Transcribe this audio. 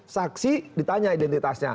saksi ditanya identitasnya